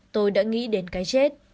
tôi đã nghĩ đến cái chết